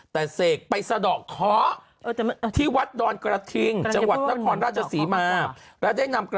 แต่เสกไปสะดอกข้อ